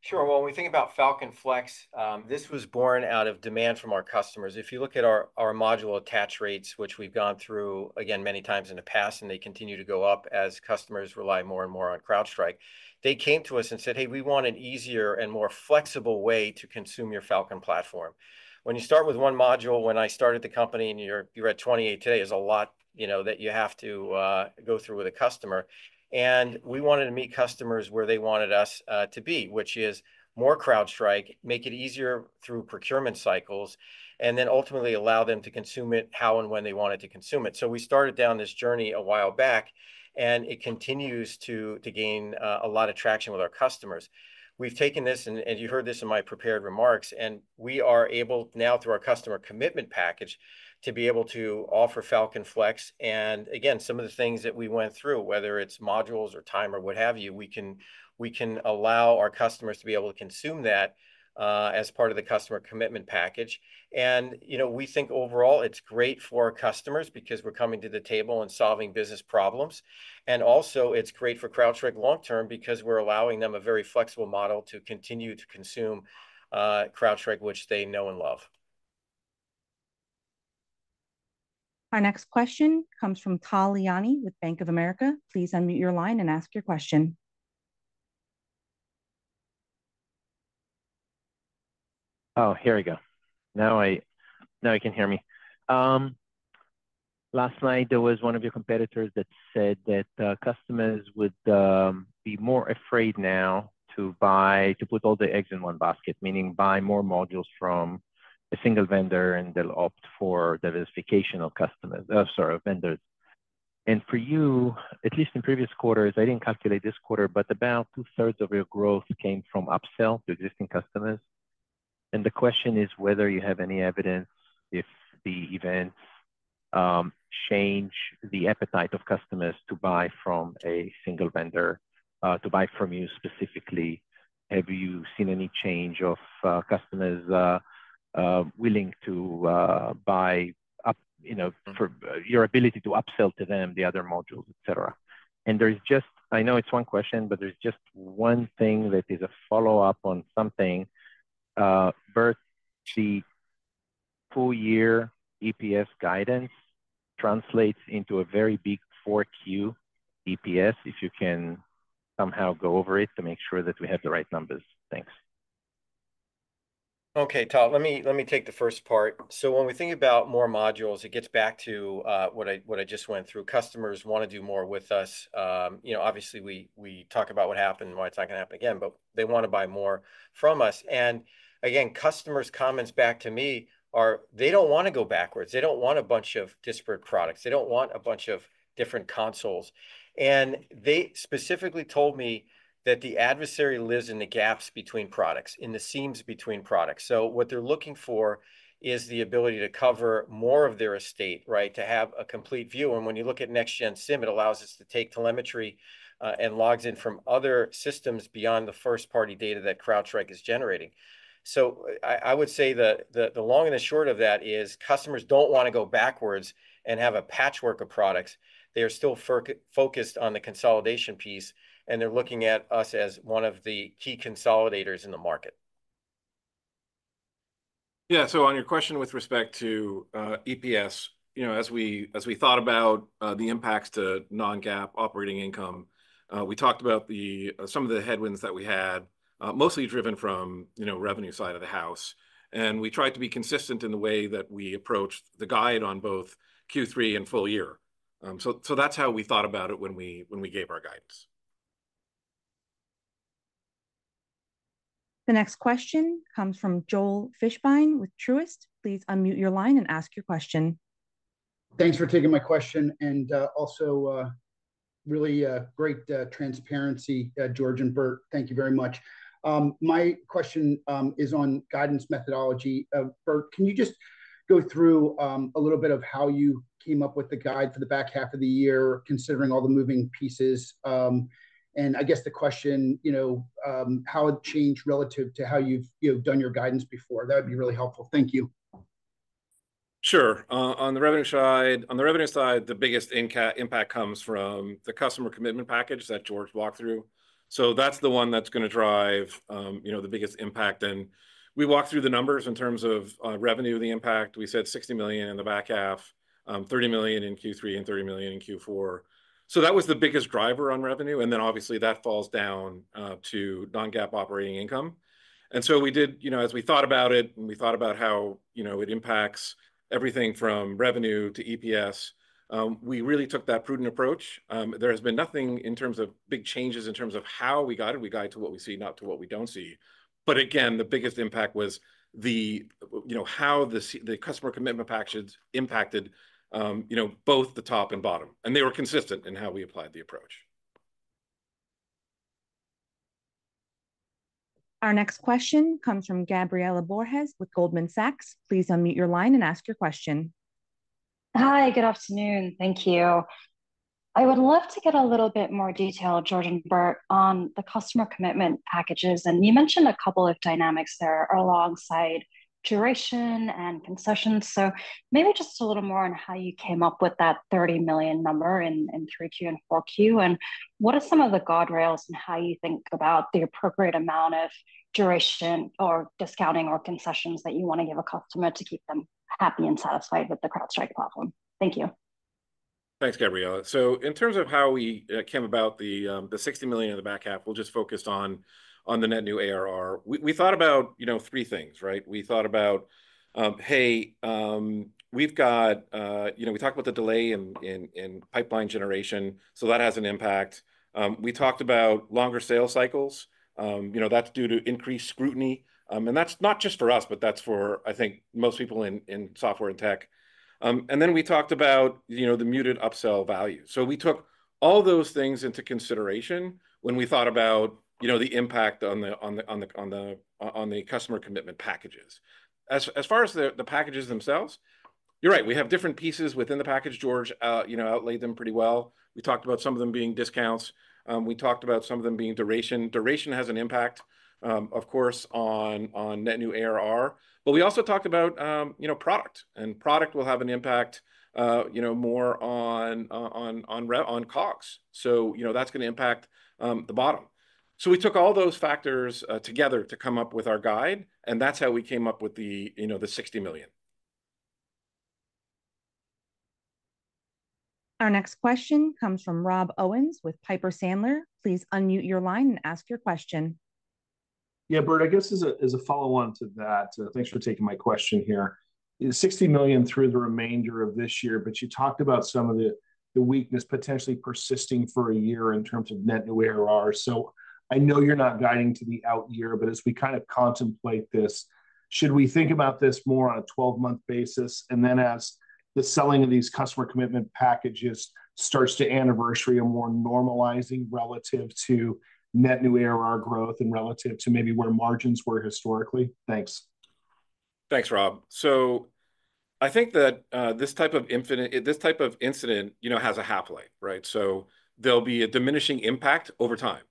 Sure, well, when we think about Falcon Flex, this was born out of demand from our customers. If you look at our module attach rates, which we've gone through, again, many times in the past, and they continue to go up as customers rely more and more on CrowdStrike, they came to us and said, "Hey, we want an easier and more flexible way to consume your Falcon platform." When you start with one module, when I started the company, and you're at twenty-eight today, there's a lot, you know, that you have to go through with a customer. We wanted to meet customers where they wanted us to be, which is more CrowdStrike, make it easier through procurement cycles, and then ultimately allow them to consume it how and when they want it to consume it. So we started down this journey a while back, and it continues to gain a lot of traction with our customers. We've taken this, and you heard this in my prepared remarks, and we are able now, through our customer commitment package, to be able to offer Falcon Flex. And again, some of the things that we went through, whether it's modules or time or what have you, we can allow our customers to be able to consume that as part of the customer commitment package. And, you know, we think overall it's great for our customers because we're coming to the table and solving business problems. And also, it's great for CrowdStrike long term because we're allowing them a very flexible model to continue to consume CrowdStrike, which they know and love. Our next question comes from Tal Liani with Bank of America. Please unmute your line and ask your question. Oh, here we go. Now I, now you can hear me. Last night, there was one of your competitors that said that, customers would, be more afraid now to buy, to put all the eggs in one basket, meaning buy more modules from a single vendor, and they'll opt for diversification of customers, sorry, vendors. And for you, at least in previous quarters, I didn't calculate this quarter, but about two-thirds of your growth came from upsell to existing customers. And the question is whether you have any evidence if the events, change the appetite of customers to buy from a single vendor, to buy from you specifically. Have you seen any change of, customers, willing to, buy up, you know, for, your ability to upsell to them, the other modules, et cetera? And there's just, I know it's one question, but there's just one thing that is a follow-up on something. Burt, the full-year EPS guidance translates into a very big four Q EPS, if you can somehow go over it to make sure that we have the right numbers. Thanks. Okay, Tal, let me take the first part. So when we think about more modules, it gets back to what I just went through. Customers want to do more with us. You know, obviously, we talk about what happened and why it's not going to happen again, but they want to buy more from us. And again, customers' comments back to me are they don't want to go backwards. They don't want a bunch of disparate products. They don't want a bunch of different consoles. And they specifically told me that the adversary lives in the gaps between products, in the seams between products. So what they're looking for is the ability to cover more of their estate, right? To have a complete view. And when you look at Next-Gen SIEM, it allows us to take telemetry and logs in from other systems beyond the first-party data that CrowdStrike is generating. So I would say that the long and the short of that is, customers don't want to go backwards and have a patchwork of products. They are still focused on the consolidation piece, and they're looking at us as one of the key consolidators in the market. Yeah, so on your question with respect to EPS, you know, as we thought about the impacts to non-GAAP operating income, we talked about some of the headwinds that we had, mostly driven from, you know, revenue side of the house, and we tried to be consistent in the way that we approached the guide on both Q3 and full year. So that's how we thought about it when we gave our guidance. The next question comes from Joel Fishbein with Truist. Please unmute your line and ask your question. Thanks for taking my question, and also really great transparency, George and Burt. Thank you very much. My question is on guidance methodology. Burt, can you just go through a little bit of how you came up with the guidance for the back half of the year, considering all the moving pieces? And I guess the question, you know, how it changed relative to how you've done your guidance before? That'd be really helpful. Thank you. Sure. On the revenue side, the biggest impact comes from the customer commitment package that George walked through. So that's the one that's gonna drive, you know, the biggest impact. And we walked through the numbers in terms of revenue, the impact. We said $60 million in the back half, $30 million in Q3, and $30 million in Q4. So that was the biggest driver on revenue, and then obviously, that falls down to non-GAAP operating income. And so we did, you know, as we thought about it, and we thought about how, you know, it impacts everything from revenue to EPS, we really took that prudent approach. There has been nothing in terms of big changes in terms of how we guide, and we guide to what we see, not to what we don't see. But again, the biggest impact was, you know, how the customer commitment packages impacted, you know, both the top and bottom, and they were consistent in how we applied the approach. Our next question comes from Gabriela Borges with Goldman Sachs. Please unmute your line and ask your question. Hi, good afternoon. Thank you. I would love to get a little bit more detail, George and Burt, on the customer commitment packages, and you mentioned a couple of dynamics there alongside duration and concessions. So maybe just a little more on how you came up with that 30 million number in Q3 and Q4. And what are some of the guardrails in how you think about the appropriate amount of duration or discounting or concessions that you want to give a customer to keep them happy and satisfied with the CrowdStrike platform? Thank you. Thanks, Gabriela. So in terms of how we came about the $60 million in the back half, we'll just focus on the net new ARR. We thought about, you know, three things, right? We thought about, hey, we've got, you know, we talked about the delay in pipeline generation, so that has an impact. We talked about longer sales cycles. You know, that's due to increased scrutiny. And that's not just for us, but that's for, I think, most people in software and tech. And then we talked about, you know, the muted upsell value. So we took all those things into consideration when we thought about, you know, the impact on the customer commitment packages. As far as the packages themselves, you're right, we have different pieces within the package. George, you know, outlined them pretty well. We talked about some of them being discounts. We talked about some of them being duration. Duration has an impact, of course, on net new ARR. But we also talked about, you know, product, and product will have an impact, you know, more on COGS. So, you know, that's gonna impact the bottom. So we took all those factors together to come up with our guide, and that's how we came up with the $60 million. Our next question comes from Rob Owens with Piper Sandler. Please unmute your line and ask your question. Yeah, Burt, I guess as a follow-on to that, thanks for taking my question here. $60 million through the remainder of this year, but you talked about some of the weakness potentially persisting for a year in terms of net new ARR. So I know you're not guiding to the out year, but as we kind of contemplate this, should we think about this more on a twelve-month basis, and then as the selling of these customer commitment packages starts to anniversary and more normalizing relative to net new ARR growth and relative to maybe where margins were historically? Thanks. Thanks, Rob. So I think that this type of incident, you know, has a half-life, right? So there'll be a diminishing impact over time.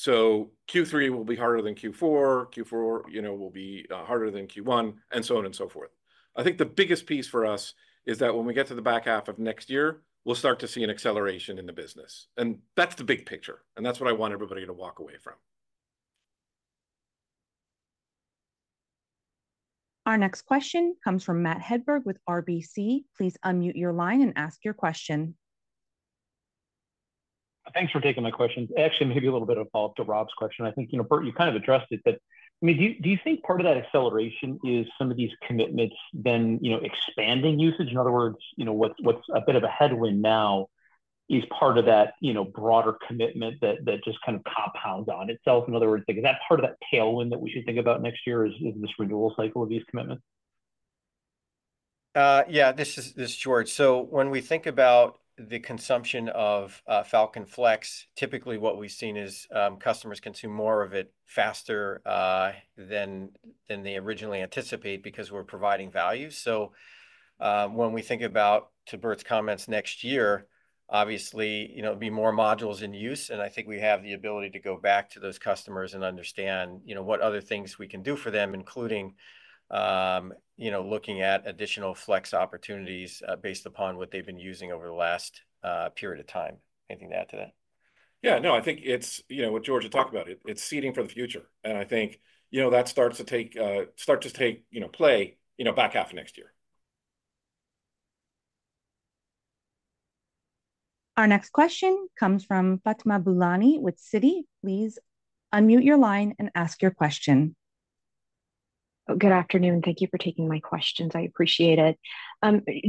So Q3 will be harder than Q4. Q4, you know, will be harder than Q1, and so on and so forth. I think the biggest piece for us is that when we get to the back half of next year, we'll start to see an acceleration in the business. And that's the big picture, and that's what I want everybody to walk away from. Our next question comes from Matt Hedberg with RBC. Please unmute your line and ask your question. Thanks for taking my question. Actually, maybe a little bit of a follow-up to Rob's question. I think, you know, Burt, you kind of addressed it, but, I mean, do you, do you think part of that acceleration is some of these commitments then, you know, expanding usage? In other words, you know, what's, what's a bit of a headwind now is part of that, you know, broader commitment that, that just kind of compounds on itself. In other words, is that part of that tailwind that we should think about next year, is, is this renewal cycle of these commitments? This is George. So when we think about the consumption of Falcon Flex, typically what we've seen is customers consume more of it faster than they originally anticipate, because we're providing value. So when we think about to Burt's comments, next year, obviously, you know, it'll be more modules in use, and I think we have the ability to go back to those customers and understand, you know, what other things we can do for them, including you know, looking at additional flex opportunities based upon what they've been using over the last period of time. Anything to add to that? Yeah, no, I think it's, you know, what George had talked about it. It's seeding for the future, and I think, you know, that starts to take, you know, play, you know, back half of next year. Our next question comes from Fatima Boolani with Citi. Please unmute your line and ask your question. Good afternoon. Thank you for taking my questions. I appreciate it.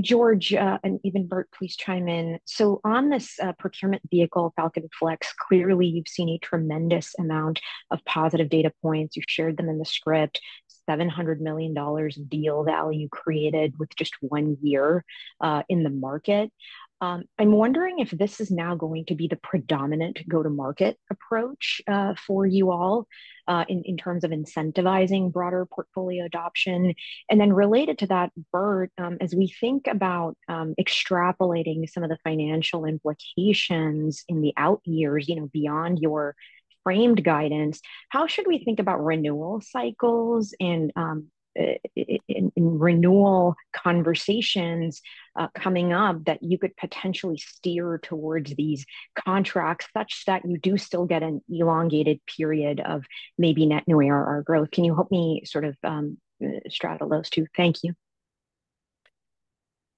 George, and even Burt, please chime in. So on this procurement vehicle, Falcon Flex, clearly you've seen a tremendous amount of positive data points. You've shared them in the script, $700 million deal value created with just one year in the market. I'm wondering if this is now going to be the predominant go-to-market approach for you all in terms of incentivizing broader portfolio adoption. And then related to that, Burt, as we think about extrapolating some of the financial implications in the out years, you know, beyond your framed guidance, how should we think about renewal cycles and in renewal conversations coming up that you could potentially steer towards these contracts, such that you do still get an elongated period of maybe net new ARR growth? Can you help me sort of straddle those two? Thank you.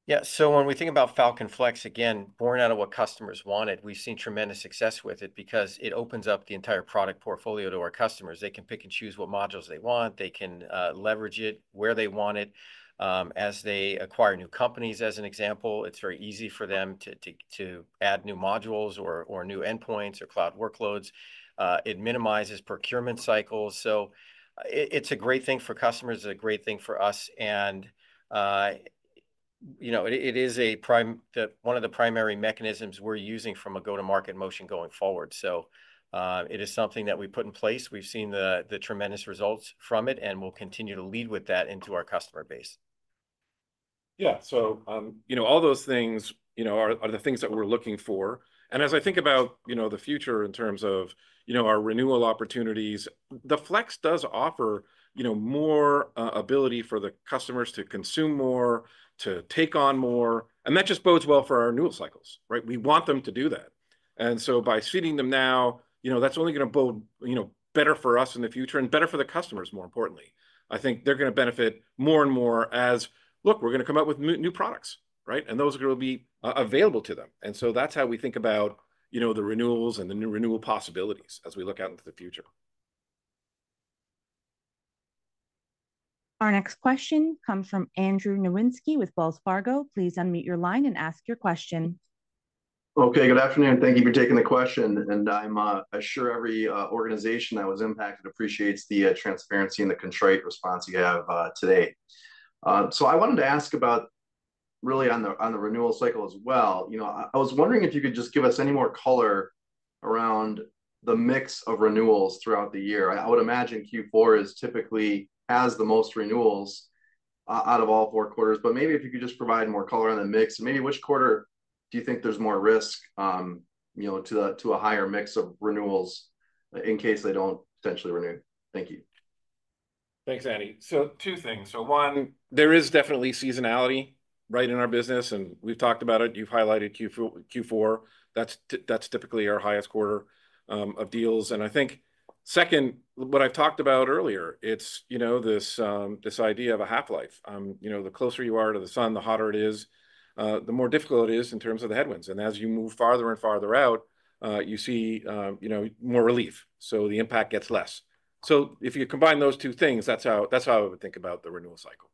Yeah, so when we think about Falcon Flex, again, born out of what customers wanted, we've seen tremendous success with it because it opens up the entire product portfolio to our customers. They can pick and choose what modules they want. They can leverage it where they want it. As they acquire new companies, as an example, it's very easy for them to add new modules or new endpoints or cloud workloads. It minimizes procurement cycles, so it's a great thing for customers, it's a great thing for us. You know, it is one of the primary mechanisms we're using from a go-to-market motion going forward. It is something that we put in place. We've seen the tremendous results from it, and we'll continue to lead with that into our customer base. Yeah, so, you know, all those things, you know, are the things that we're looking for, and as I think about, you know, the future in terms of, you know, our renewal opportunities, the Flex does offer, you know, more ability for the customers to consume more, to take on more, and that just bodes well for our renewal cycles, right? We want them to do that, and so, by seeding them now, you know, that's only gonna bode, you know, better for us in the future and better for the customers, more importantly. I think they're gonna benefit more and more as. Look, we're gonna come out with new products, right, and those are gonna be available to them, and so that's how we think about, you know, the renewals and the new renewal possibilities as we look out into the future. Our next question comes from Andrew Nowinski with Wells Fargo. Please unmute your line and ask your question. Okay, good afternoon. Thank you for taking the question, and I'm sure every organization that was impacted appreciates the transparency and the contrite response you have today. So I wanted to ask about, really on the renewal cycle as well, you know, I was wondering if you could just give us any more color around the mix of renewals throughout the year. I would imagine Q4 is typically has the most renewals out of all four quarters, but maybe if you could just provide more color on the mix. Maybe which quarter do you think there's more risk, you know, to a higher mix of renewals, in case they don't potentially renew? Thank you. Thanks, Andy. So two things. So, one, there is definitely seasonality, right, in our business, and we've talked about it. You've highlighted Q4, Q4. That's that's typically our highest quarter of deals, and I think Second, what I've talked about earlier, it's, you know, this, this idea of a half-life. You know, the closer you are to the sun, the hotter it is, the more difficult it is in terms of the headwinds. And as you move farther and farther out, you see, you know, more relief, so the impact gets less. So if you combine those two things, that's how, that's how I would think about the renewal cycle.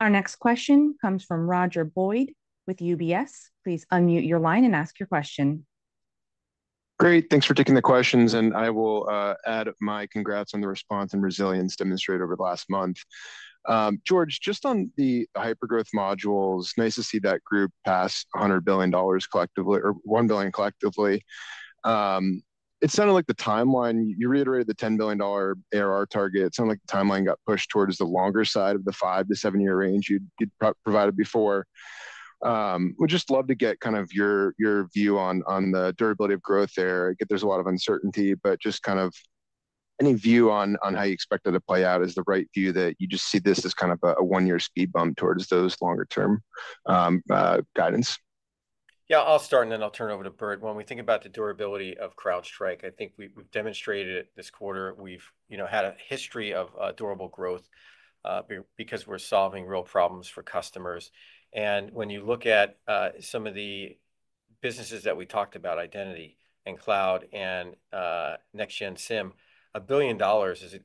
Our next question comes from Roger Boyd with UBS. Please unmute your line and ask your question. Great, thanks for taking the questions, and I will add my congrats on the response and resilience demonstrated over the last month. George, just on the hypergrowth modules, nice to see that group pass $100 billion collectively or $1 billion collectively. It sounded like the timeline, you reiterated the $10 billion ARR target. Sounded like the timeline got pushed towards the longer side of the five- to seven-year range you'd provided before. Would just love to get kind of your view on the durability of growth there. But there's a lot of uncertainty, but just kind of any view on how you expect it to play out. Is the right view that you just see this as kind of a one-year speed bump towards those longer term guidance? Yeah, I'll start, and then I'll turn it over to Burt. When we think about the durability of CrowdStrike, I think we've demonstrated it this quarter. We've, you know, had a history of durable growth because we're solving real problems for customers. And when you look at some of the businesses that we talked about, Identity and Cloud and Next-Gen SIEM, $1 billion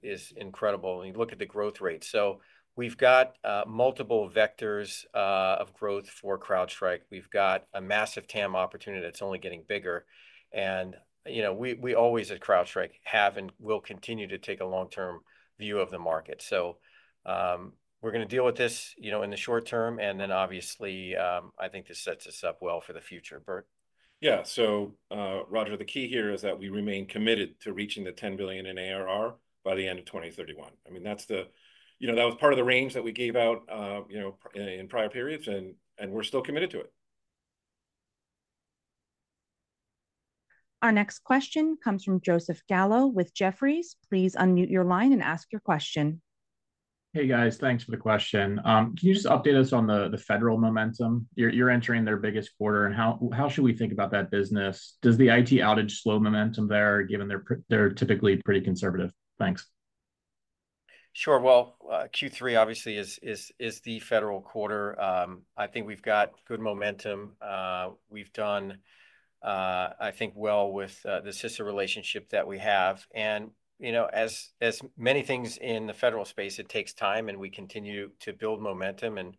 is incredible when you look at the growth rate. So we've got multiple vectors of growth for CrowdStrike. We've got a massive TAM opportunity that's only getting bigger, and, you know, we always at CrowdStrike have and will continue to take a long-term view of the market. So, we're gonna deal with this, you know, in the short term, and then obviously, I think this sets us up well for the future. Burt? Yeah, so, Roger, the key here is that we remain committed to reaching the $10 billion in ARR by the end of 2031. I mean, that was part of the range that we gave out, you know, in prior periods, and we're still committed to it. Our next question comes from Joseph Gallo with Jefferies. Please unmute your line and ask your question. Hey, guys. Thanks for the question. Can you just update us on the federal momentum? You're entering their biggest quarter, and how should we think about that business? Does the IT outage slow momentum there, given they're typically pretty conservative? Thanks. Sure. Q3 obviously is the federal quarter. I think we've got good momentum. We've done, I think, well with the CISA relationship that we have, and, you know, as many things in the federal space, it takes time, and we continue to build momentum and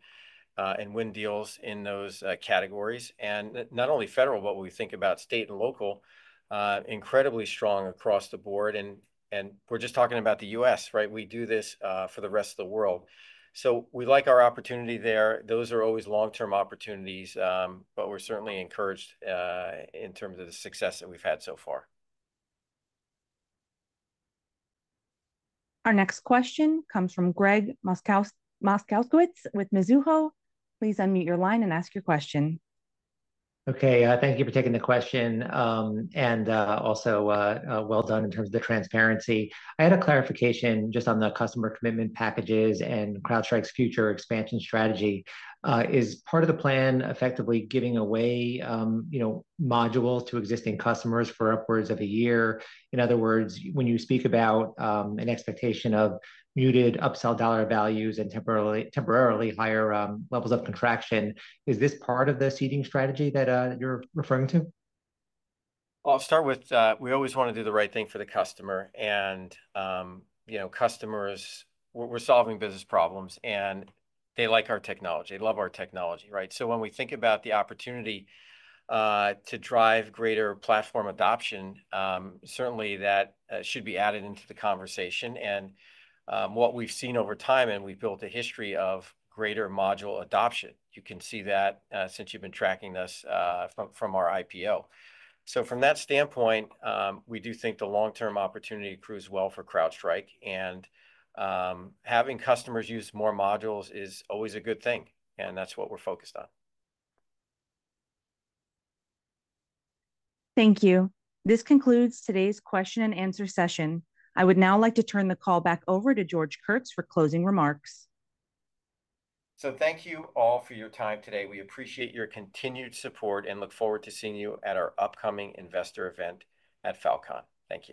win deals in those categories. And, not only federal, but when we think about state and local, incredibly strong across the board, and we're just talking about the U.S., right? We do this for the rest of the world. So we like our opportunity there. Those are always long-term opportunities, but we're certainly encouraged in terms of the success that we've had so far. Our next question comes from Gregg Moskowitz with Mizuho. Please unmute your line and ask your question. Okay, thank you for taking the question. And, also, well done in terms of the transparency. I had a clarification just on the customer commitment packages and CrowdStrike's future expansion strategy. Is part of the plan effectively giving away, you know, modules to existing customers for upwards of a year? In other words, when you speak about an expectation of muted upsell dollar values and temporarily higher levels of contraction, is this part of the seeding strategy that you're referring to? I'll start with, we always want to do the right thing for the customer, and, you know, customers. We're solving business problems, and they like our technology. They love our technology, right? So when we think about the opportunity, to drive greater platform adoption, certainly that should be added into the conversation. And, what we've seen over time, and we've built a history of greater module adoption, you can see that, since you've been tracking us, from our IPO. So from that standpoint, we do think the long-term opportunity proves well for CrowdStrike, and, having customers use more modules is always a good thing, and that's what we're focused on. Thank you. This concludes today's question-and-answer session. I would now like to turn the call back over to George Kurtz for closing remarks. So thank you all for your time today. We appreciate your continued support and look forward to seeing you at our upcoming investor event at Falcon. Thank you.